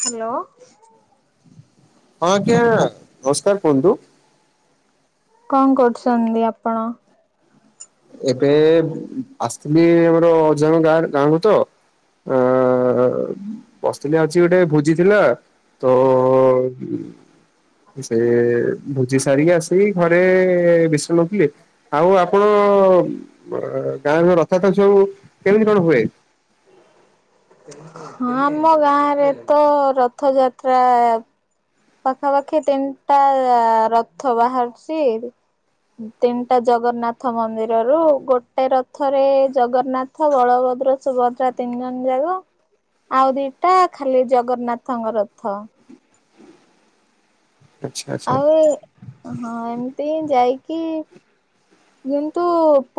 Hello. ହଁ ଆଜ୍ଞା ନମସ୍କାର କୁହନ୍ତୁ। କଣ କରୁଛନ୍ତି ଆପଣ? ଏବେ ଆସିଥିଲି ଆମର ଅଜାଣ ଗାଁରେ ଗାଁକୁ ତ ଆଁ ବସିିଥିଲି ଆଜି ଗୋଟେ ଭୋଜି ଥିଲା। ତ ଏଁ ସେ ଭୋଜି ସାରିକି ଆସିିକି ଘରେ ବିଷ ନଉଥିଲେ ଆଉ ଆପଣ [unintelligible] ଗାଁ ରଥ ଯାତ୍ରା ସବୁ କେମିତି କଣ ହୁଏ? ହଁ ଆମ ଗାଁରେ ତ ରଥଯାତ୍ରା ପାଖାପାଖି ତିନିଟା ରଥ ବାହାରୁଚି। ତିନିଟା ଜଗନ୍ନାଥ ମନ୍ଦିରରୁ ଗୋଟେ ରଥରେ ଜଗ ନ୍ନାଥ, ବଳଭଦ୍ର, ସୁଭଦ୍ରା ତିନି ଜଣ ଜାଗ ଆଉ ଦିଟା ଖାଲି ଜଗନ୍ନାଥଙ୍କ ରଥ। ଆଚ୍ଛା ଆଚ୍ଛା ଆଉ ହଁ ଏମିତି ହିଁ ଯାଇକି କିନ୍ତୁ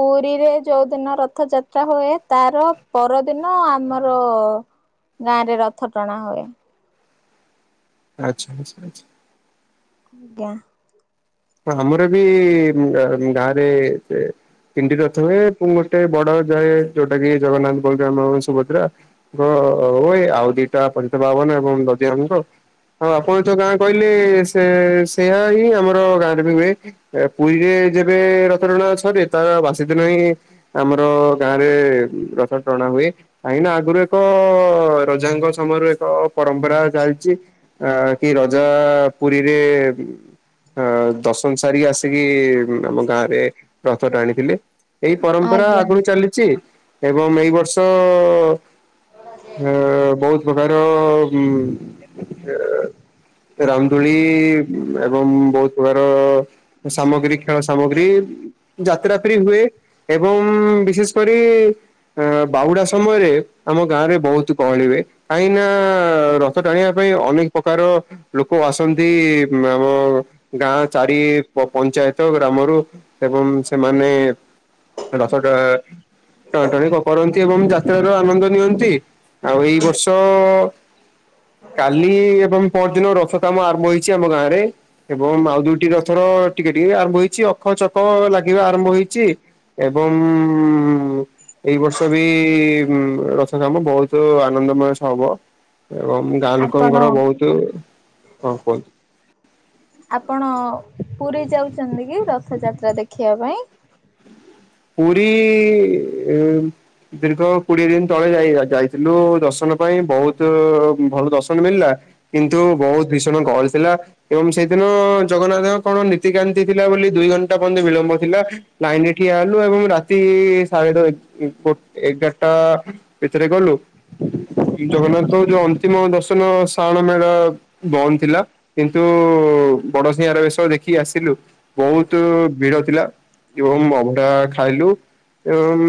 ପୁରିରେ ଯୋଉଦିନ ରଥଯାତ୍ରା ହୁଏ ତାର ପର ଦିନ ଆମର ଗାଁରେ ରଥ ଟଣା ହୁଏ। ଆଚ୍ଛା ଆଚ୍ଛା ଆଚ୍ଛା। ଆଜ୍ଞା। ଆମର ବି ଗାଁ ଗାଁରେ ଏ ତିନିଟି ରଥ ହୁଏ। ଗୋଟେ ଯାଏ ଯୋଉଟାକି ଜଗନ୍ନାଥ, ବଳରାମ, ସୁଭଦ୍ରା ହଁ ହୁଏ ଆଉ ଦିଟା ପଞ୍ଚଭାବନ ଏବଂ ଦଧିଅନନ୍ତ। ଆଉ ଆପଣ ଯୋଉ ଗାଁ କହିଲେ ସେ-ସେଇଆ ହିଁ ଆମର ଗାଁ [unintelligible] ହୁଏ। ପୁରୀରେ ଯେବେ ରଥଟଣା ସରେ ତା ବାସି ଦିନ ହିଁ ଆମର ଗାଁରେ ରଥ ଟଣା ହୁଏ। କାହିଁକି ନା ଆଗରୁ ଏକ ରଜାଙ୍କ ସମୟରୁ ଏକ ପରମ୍ପରା ଚାଲିଚି। ଆ କି ରଜା ପୁରିରେ ଆ ଦର୍ଶନ ସାରିକି ଆସିକି ଆମ ଗାଁରେ ରଥ ଟାଣିଥିଲେ। ଏଇ ପରମ୍ପରା ଆଜ୍ଞା ଆଗରୁ ଚାଲିଚି। ଏବଂ ଏଇ ବର୍ଷ ହେଁ ବୋହୁତ ପ୍ରକାର ଅଁ ଉଁ ରାମଦୋଳି ଏବଂ ବୋହୁତ ପ୍ରକାର ସାମଗ୍ରୀ ଖେଳ ସାମଗ୍ରୀ ଯାତ୍ରା ଫେରି ହୁଏ ଏବଂ ବିଶେଷ କରି ଅ ବାହୁଡା ସମୟରେ ଆମ ଗାଁରେ ବୋହୁତ ଗହଳି ହୁଏ। କାହିଁକି ନା ର ରଥ ଟାଣିବା ପାଇଁ ଅନେକ ପ୍ରକାର ଲୋକ ଆସନ୍ତି ଆମ ଗାଁ ଚାରି ପ-ପଞ୍ଚାୟତ ଗ୍ରାମରୁ ଏବଂ ସେମାନେ ରଥ ଟଣା ଟଣା ଟଣି କରନ୍ତି ଏବଂ ଯାତ୍ରାର ଆନନ୍ଦ ନିଅନ୍ତି। ଆଉ ଏଇ ବର୍ଷ କାଲି ଏବଂ ପହର ଦିନ ରଥ କାମ ଆରମ୍ଭ ହେଇଚି ଆମ ଗାଁରେ। ଏବଂ ଆଉ ଦୁଇଟି ରଥର ଟିକେ ଟିକେ ଆରମ୍ଭ ହେଇଚି। ଅଖ ଚକ ଲାଗିବା ଆରମ୍ଭ ହେଇଚି। ଏବଂ ଏଇ ବର୍ଷ ବି ରଥ କାମ ବୋହୁତ ଆନନ୍ଦମୟ ସହ ହବ। ଏବଂ ଗାଁ ଆପଣ ଲୋକଙ୍କର ବୋହୁତୁ କଣ କୁହନ୍ତି ଆପଣ ପୁରି ଯାଉଚନ୍ତି କି ରଥଯାତ୍ରା ଦେଖିବା ପାଇଁ? ପୁରି ଇଁ ଦୀର୍ଘ କୋଡିଏ ଦିନ ତଳେ ଯାଇ-ଯାଇଥିଲୁ ଦର୍ଶନ ପାଇଁ ବୋହୁତୁ ଭଲ ଦର୍ଶନ ମିଳିଲା। କିନ୍ତୁ ବୋହୁତ ଭୀଷଣ ଗହଳି ଥିଲା। ଏବଂ ସେଇଦିନ ଜଗନ୍ନାଥଙ୍କ କଣ ନୀତିକାନ୍ତି ଥିଲା ବୋଲି ଦୁଇ ଘଣ୍ଟା ପର୍ଯ୍ୟନ୍ତ ବିଳମ୍ବ ଥିଲା। ଲାଇନରେ ଠିଆ ହେ ଲୁ ଏବଂ ରାତି ସାଢେ ଦୁଇ ଗୋଟେ ଏଗାରଟା ଭିତରେ ଗଲୁ। ଜଗନ୍ନାଥ ଯୋଉ ଅନ୍ତିମ ଦର୍ଶନ ଶାହାଣ ମେଳା ବନ୍ଦ ଥିଲା। କିନ୍ତୁ ବଡସିଂହାର ବେଶ ଦେଖିକି ଆସିଲୁ ବୋହୁତୁ ଭିଡ ଥିଲା। ଏବଂ ଅବଢା ଖାଇଲୁ। ଏବଂ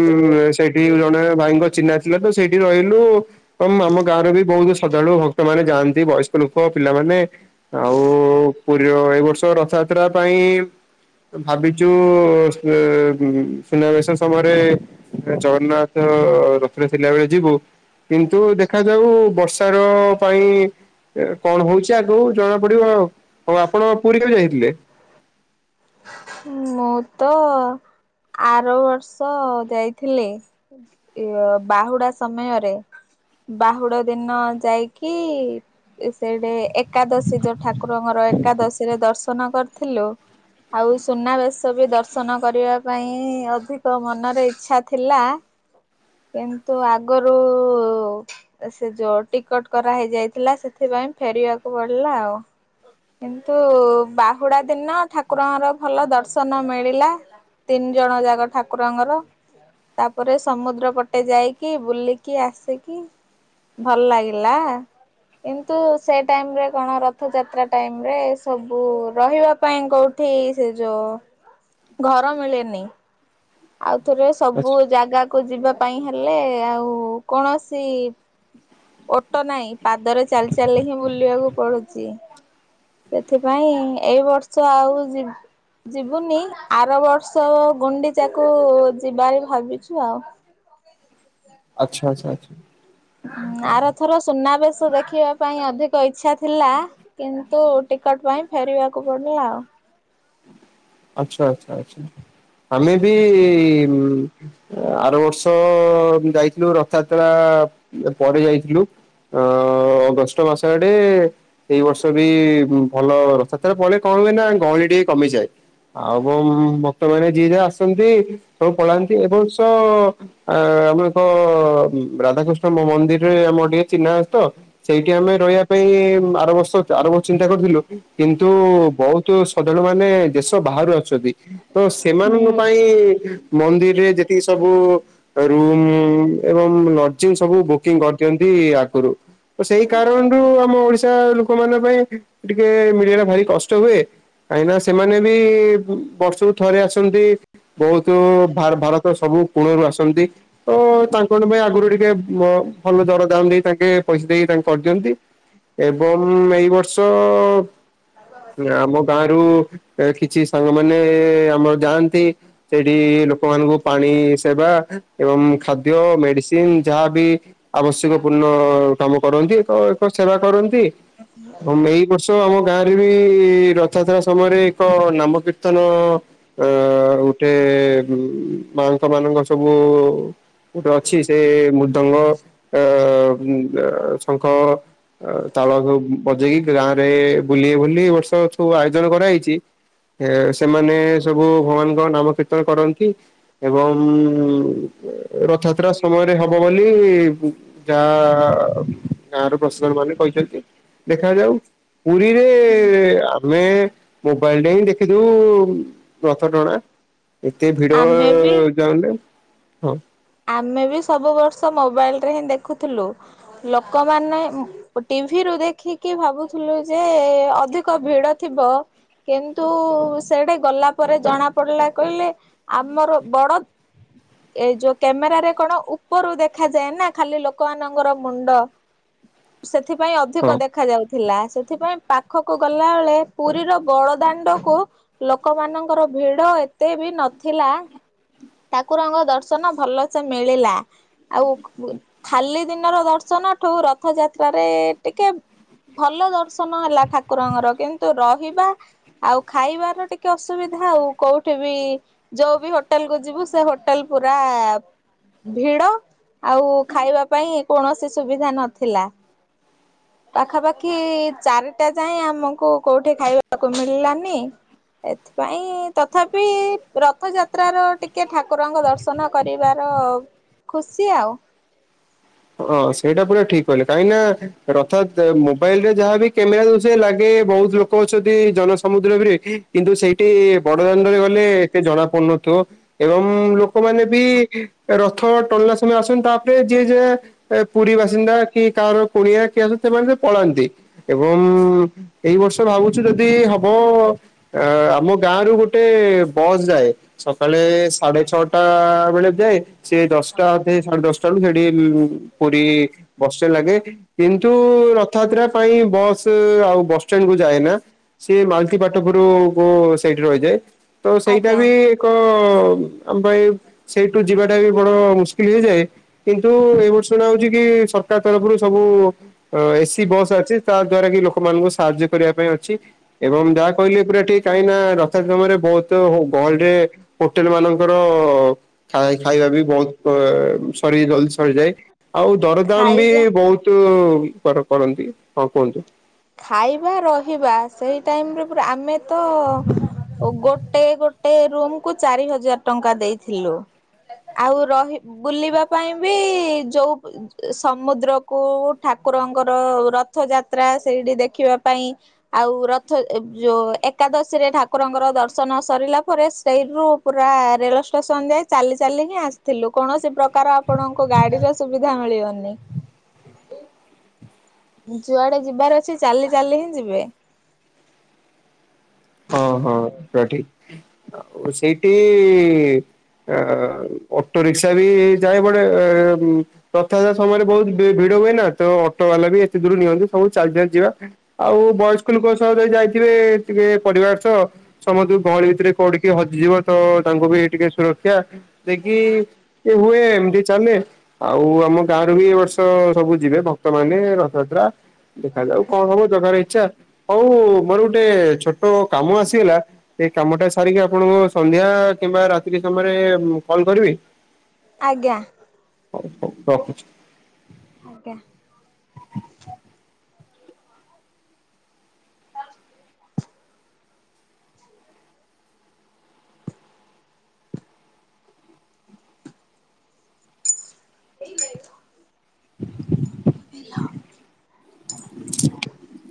ସେଠି ଜଣେ ଭାଇଙ୍କ ଚିହ୍ନା ଥିଲାତ ସେଇଠି ରହିଲୁ। ଏବଂ ଆମ ଗାଁର ବି ବୋହୁତୁ ଶ୍ରଦ୍ଧାଳୁ ଭକ୍ତମାନେ ଯାଆନ୍ତି। ବୟସ୍କ ଲୋକ ପିଲାମାନେ ଆଉ ପୁରିର ଏଇ ବର୍ଷ ରଥଯାତ୍ରା ପାଇଁ ଭାବିଚୁ [unintelligible] ଉଁ ସୁନାବେଶ ସମୟରେ ଜଗନ୍ନାଥ ରଥରେ ଥିଲା ବେଳେ ଯିବୁ। କିନ୍ତୁ ଦେଖାଯାଉ ବର୍ଷାର ପାଇଁ କଣ ହଉଛି ଆଗକୁ ଜଣା ପଡିବ ଆ ଆଉ ଆପଣ ପୁରୀ କେବେ ଯାଇଥିଲେ? ମୁଁ ତ ଆର ବର୍ଷ ଯାଇଥିଲେ। ଏ ଅ ବାହୁଡା ସମୟରେ ବାହୁଡ଼ା ଦିନ ଯାଇକି ସେଇଠି ଏ ଏକାଦଶୀ ଯୋଉ ଠାକୁରଙ୍କର ଏକାଦଶୀ ରେ ଦର୍ଶନ କରିଥିଲୁ ଆଉ ସୁନାବେଶ ତ ଏବେ ସବୁ ଦର୍ଶନ କରିବା ପାଇଁ ଅଧିକ ମନରେ ଇଚ୍ଛା ଥିଲା କିନ୍ତୁ ଆଗରୁ ଉ ସେ ଯୋଉ ଟିକଟ କରାହେଇ ଯାଇଥିଲା ସେଥିପାଇଁ ଫେରିବାକୁ ପଡିଲା ଆଉ କିନ୍ତୁ ବାହୁଡା ଦିନ ଠାକୁରଙ୍କର ଭଲ ଦର୍ଶନ ମିଳିଲା। ତିନି ଜଣ ଯାଗ ଠାକୁରଙ୍କର ତାପରେ ସମୁଦ୍ର ପଟେ ଯାଇକି ବୁଲିକି ଆସିକି ଭଲ ଲାଗିଲା କିନ୍ତୁ ସେ ଟାଇମ ରେ କଣ ରଥଯାତ୍ରା ଟାଇମୀ ରେ ସବୁ ରହିବା ପାଇଁ କଉଠି ସେ ଯୋଉ ଘର ମିଳେନି। ଆଉଥରେ ସବୁ ଆଚ୍ଛା ଜାଗା କୁ ଯିବା ପାଇଁ ହେଲେ ଆଉ କୌଣସି ଓଟ ନାହିଁ ପାଦରେ ଚାଲି ଚାଲି ହିଁ ବୁଲିବାକୁ ପଡୁଛି। ସେଥିପାଇଁ ଏଇ ବର୍ଷ ଆଉ ଯି ଯିବୁନି। ଆର ବର୍ଷ ଗୁଣ୍ଡିଚାକୁ ଯିବାର ଭାବିଛୁ ଆଉ। ଆଚ୍ଛା ଆଚ୍ଛା ଆଚ୍ଛା। ଆରଥର ସୁନାବେଶ ଦେଖ ଦେଖିବା ପାଇଁ ଅଧିକ ଇଚ୍ଛା ଥିଲା କିନ୍ତୁ ଟିକଟ ପାଇଁ ଫେରିବାକୁ ପଡ଼ିଲା ଆଉ। ଆଚ୍ଛା ଆଚ୍ଛା ଆଚ୍ଛା। ଆମେ ବି ଆର ବର୍ଷ ଯାଇଥିଲୁ ରଥଯାତ୍ରା ପରେ ଯାଇଥିଲୁ ଅ ଅଗଷ୍ଟ ମାସ ଆଡ଼େ ଏଇ ବର୍ଷ ବି ଭ ଭଲ ରଥଯାତ୍ରା ପଳେ କଣ ହୁଏ ନା ଗହଳି ଟିକେ କମିଯାଏ। ଆଉ ଏବଂ ଭକ୍ତମାନେ ଯିଏ ଯାହା ଆସନ୍ତି ସବୁ ପଳାନ୍ତି ଏ ବର୍ଷ ଅ ଆମର କଣ ରାଧାକୃଷ୍ଣ ମ ମନ୍ଦିରରେ ଆମର ଟିକେ ଚିହ୍ନା ଅଛି ତ ସେଇଠି ଆମେ ରହିବା ପାଇଁ ଆର ବର୍ଷ ଆର ବର୍ଷ ଚିନ୍ତା କରିଥିଲୁ। କିନ୍ତୁ ବହୁତୁ ଶ୍ରଦ୍ଧାଳୁ ମାନେ ଦେଶ ବାହାରୁ ଆସୁଛନ୍ତି। ତ ସେମାନଙ୍କ ହୁଁ। ପାଇଁ ମନ୍ଦିରିରେ ଯେତିକି ସବୁ ରୁମ୍ ଏବଂ ଲଜିଂ ସବୁ ବୁକିଂ କରିଦିଅନ୍ତି ଆଗରୁ। ଓ ସେଇ କାରଣରୁ ଆମ ଓଡିଶା ଲୋକମାନଙ୍କ ପାଇଁ ଟିକେ ମିଳିବା ଟା ଭାରି କଷ୍ଟ ହୁଏ କାହିଁକିନା ସେମାନେ ବି ବର୍ଷକୁ ଥରେ ଆସନ୍ତି। ବହୁତ ଭାର ଭାରତର ସବୁ କୋଣରୁ ଆସନ୍ତି। ତ ତାଙ୍କ ମାନଙ୍କ ପାଇଁ ଆଗରୁ ଟିକେ ଭ ଭଲ ଜର ଦାମ ଦେଇ ତାଙ୍କେ ପଇସା ଦେଇ ତାଙ୍କେ କରିଦିଅନ୍ତି [inaudible] ଏବଂ ଏଇ ବର୍ଷ ଆମ ଗାଁରୁ ଏ କିଛି ସାଙ୍ଗ ମାନେ ଆମର ଯାଆନ୍ତି। ସେଇଠି ଲୋକମାନଙ୍କୁ ପାଣି ସେବା ଏବଂ ଖାଦ୍ୟ ମେଡିସିନ ଯାହାବି ଆବଶ୍ୟକ ପୂର୍ଣ୍ଣ କାମ କରନ୍ତି ଏକ ଏକ ସେବା କରନ୍ତି ଏବଂ ଏଇ ଏ ବର୍ଷ ଆମ ଗାଁରେ ବି ରଥଯାତ୍ରା ସମୟରେ ଏକ ନାମକୀର୍ତ୍ତନ ଆଁ ଉଠେ ମାଙ୍କ ମାନଙ୍କ ସବୁ ଗୋଟେ ଅଛି ସେ ମୃଦଙ୍ଗ ଅ ଶଙ୍ଖ ଅ ତାଳ ସବୁ ବଜେଇକି ଗ୍ରା ରେ ବୁଲି ବୁଲି ଏ ବର୍ଷ ସବୁ ଆୟୋଜନ କରାହେଇଛି। ଏ ସେମାନେ ସବୁ ଭଗବାନଙ୍କ ନାମ କୀର୍ତ୍ତନ କରନ୍ତି। ଏବଂ ଉ ରଥଯାତ୍ରା ସମୟରେ ହବ ବୋଲି ଯାହା ଗାଁ ର ପ୍ରଶାସନ ମାନେ କହିଛନ୍ତି ଦେଖାଯାଉ ପୁରୀରେ ଆମେ ବାଲଡେଲ୍ ଦେଖିଦଉ ରଥ ଟଣା ଏତେ ଭିଡ ଆମେ ବି ଯାଉ ହଁ। ଆମେ ବି ସବୁ ବର୍ଷ ମୋବାଇଲ ରେ ହିଁ ଦେଖୁଥିଲୁ ଲୋକମାନେ ଟିଭିରୁୁ ଦେଖିକି ଭାବୁଥିଲୁ ଯେ ଅଧିକ ଭିଡ ଥିବ। କିନ୍ତୁ ସେଟେ ଗଲା ପରେ ଜଣା ପଡିଲା କହିଲେ ଆମର ବଡ ଏ ଯୋଉ କ୍ୟାମେରରେ କଣ ଉପରୁ ଦେଖାଯାଏ ନା ଖାଲି ଲୋକମାନଙ୍କର ମୁଣ୍ଡ। ସେଥିପାଇଁ ଅଧିକ ହଁ। ଦେଖା ଯାଉଚି। ଥିଲା ସେଥିପାଇଁ ପାଖକୁ ଗଲାବେଳେ ପୁରୀର ବଡ଼ଦାଣ୍ଡକୁ ଲୋକମାନଙ୍କର ଭିଡ ଏତେ ବି ନଥିଲା। ଠାକୁରଙ୍କ ଦର୍ଶନ ଭଲ ସେ ମିଳିଲା। ଆଉ ଖାଲି ଦିନର ଦର୍ଶନ ଠୁ ରଥଯାତ୍ରାରେ ଟି ଭଲ ଦର୍ଶନ ହେଲା ଠାକୁରଙ୍କର, କିନ୍ତୁ ରହିବା ଆଉ ଖାଇବାର ଟିକେ ଅସୁବିଧା ଆଉ କୋଉଠି ବି ଯୋଉ ବି ହୋଟେଲ କୁ ଯିବୁ ସେ ହୋଟେଲ ପୁରା ଭିଡ ଆଉ ଖାଇବା ପାଇଁ କୌଣସି ସୁବିଧା ନଥିଲା। ହ ପାଖାପାଖି ଚାରିଟା ଯାଏ ଆମକୁ କୋଉଠି ଖାଇବାକୁ ମିଳିଲାନି। ଏଥିପାଇଁ ତଥାପି ରଥଯାତ୍ରାର ଟି ଟିକେ ଠାକୁରଙ୍କ ଦର୍ଶନ କରିବାର ଖୁସି ଆଉ। ହଁ ସେଇଟା ପୁରା ଠିକ କଲେ କାହିଁକି ନା ରଥ ଯା ମୋବାଇଲ ରେ ଯାହାବି କ୍ୟାମେରା ଦୋଉଛ ଲାଗେ ବୋହୁତ ଲୋକ କହୁଚନ୍ତି ଜନ ସମୁଦ୍ର ବିରେ କିନ୍ତୁ ସେଇଠି ବଡଦାଣ୍ଡରେ ଗଲେ ଏତେ ଜଣା ପଡୁନଥିବ ଏବଂ ଲୋକମାନେ ବି ରଥ ଟାଣିଲା ସମୟ ଆସନ୍ତି ତାପରେ ଯିଏ ଯାହା ପୁରୀ ବାସିନ୍ଦା କି କାହାରର କୁଣିଆ କି ଏବୁ ସେମାନେ ସେ ପଳାନ୍ତି। ଏବଂ ଏଇ ବର୍ଷ ଭାବୁଚୁ ଯଦି ହବ ଅ ଆମ ଗାଁ ରୁ ଗୋଟେ ବସ୍ ଯାଏ। ସକାଳେ ସାଢେ ଛଅଟା ବେଳେ ଖାଏ। ସେ ଦଶଟା ସାଢେ ଦଶଟା ବଳୁ ସେଠି ପୁରୀ ବସେ ଲାଗେ କିନ୍ତୁ ରଥଯାତ୍ରା ପାଇଁ ବସ୍ ଆଉ ବସ ଷ୍ଟାଣ୍ଡ କୁୁ ଯାଏନା। ସିଏ ମାଲତି ପାଟପୁରୁ କ ସେଇଠି ରହିଯାଏ ତ ସେଇଟା ଆଜ୍ଞା ବି କ [unintelligible] ଆମ ସେଇଠୁ ଯିବାଟା ବି ବଡ ମୁସ୍କିଲ ହେଇଯାଏ, କିନ୍ତୁ ଏ ବର୍ଷ ଶୁଣା ହୋଉଚି କି ସରକାର ତରଫରୁ ସବୁ ଅ ଏସି ବସ୍ ଅଛି ତା ଦ୍ଵାରା କି ଲୋକମାନଙ୍କୁ ସାହାଯ୍ୟ କରିବା ପାଇଁ ଅଛି। ଏବଂ ଯାହା କହିଲେ ପୁରା ଠିକ। କାହିଁ ନା ରଥ କମରେ ବୋହୁତ ଗହଳିରେ ହୋଟେଲ ମାନଙ୍କର ଖାଇ ଖାଇବା ବି ବୋହୁତ ସରି ଜଲଦି ସରିଯାଏ। ଆଉ ଦରଦାମ ବି ଖାଇବା ବୋହୁତ କରନ୍ତି ହଁ କୁହନ୍ତୁ। ଖାଇବା ରହିବା ସେଇ ଟାଇମ ରେ ପୁରା ଆମେ ତ ଓ ଗୋଟେ ଗୋଟେ ରୁମକୁୁ ଚାରି ହଜାର ଟଙ୍କା ଦେଇଥିଲୁ। ଆଉ ରହି ବୁଲିବା ପାଇଁ ବି ଯୋଉ ସମୁଦ୍ରକୁ ଠାକୁରଙ୍କର ରଥ ଯାତ୍ରା ସେଇଠି ଦେଖିବା ପାଇଁ ଆଉ ରଥ ଯୋଉ ଏକାଦଶୀରେ ଠାକୁରଙ୍କର ଦର୍ଶନ ସରିଲା ପରେ ସେଇରୁୁ ପୁରା ରେଳ ଷ୍ଟେସନ ଯଏ ଚାଲି ଚାଲି ହିଁ ଆସିଥିଲୁ କୌଣସି ପ୍ରକାର ଆପଣଙ୍କ ଗାଡିର ସୁବିଧା ମିଳିବନି। ଯୁଆଡେ ଯିବାର ଅଛି ଚାଲି ଚାଲି ହିଁ ଯିବେ। ହଁ ହଁ ପୁରା ଠିକ ଆଉ ସେଇଠି ଅଟୋ ରିକ୍ସା ବି ଯାଏ ବଡେ ରଥଯାତ୍ରା ସମୟରେ ବୋହୁତ ଭି ଭିଡ ହୁଏ ନା ତ ଅଟୋ ବାଲା ବି ଏତେ ଦୂର ନିଅନ୍ତୁ ସବୁ ଚାଲି ଚାଲି ଯିବା। ଆଉ, ବୟସ୍କ ଲୁକ ସହ ଯଦି ଯାଇଥିବେ, ଟିକେ ପଡ଼ିବାର ସହ ସମସ୍ତୁ ଗହଳି ଭିତରେ କୋଉଠିକେ ହଜିଯିବ। ତ ତାଙ୍କୁ ବି ଟିକେ ସୁରକ୍ଷା ଦେଖି ଏ ହୁଏ। ଏମତି ଚାଲେ। ଆଉ, ଆମ ଗାଁରୁ ବି ଏ ବର୍ଷ, ସବୁ ଯିବେ ଭକ୍ତ ମାନେ ରଥଯାତ୍ରା। ଦେଖାଯାଉ, କଣ ହବ ଜଗାର ଇଚ୍ଛା? ହଉ ମୋର ଗୋଟେ ଛୋଟ କାମ ଆସିଗଲା। ଏ କାମଟା ସାରିକି ଆପଣଙ୍କୁ ସନ୍ଧ୍ୟା କିମ୍ବା, ରାତ୍ରି ସମୟରେ ମୁଁ କଲ କରିବି? ଆଜ୍ଞା। ହଉ ହଉ ରଖୁଛି। ଆଜ୍ଞା। [inaudible] [inaudible]